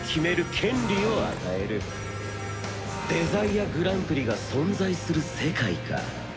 デザイアグランプリが存在する世界か。